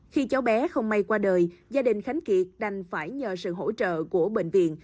khi cháu bé không may qua đời gia đình khánh kiệt đành phải nhờ sự hỗ trợ của bệnh viện